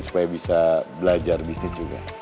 supaya bisa belajar bisnis juga